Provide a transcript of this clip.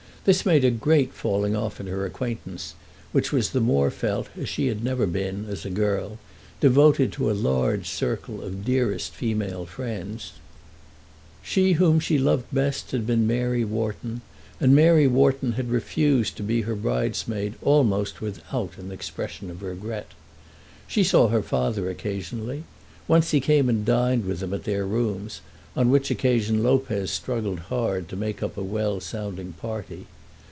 This made a great falling off in her acquaintance, which was the more felt as she had never been, as a girl, devoted to a large circle of dearest female friends. She whom she had loved best had been Mary Wharton, and Mary Wharton had refused to be her bridesmaid almost without an expression of regret. She saw her father occasionally. Once he came and dined with them at their rooms, on which occasion Lopez struggled hard to make up a well sounding party.